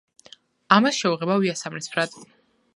ამას შევღებავ იასამნისფრად.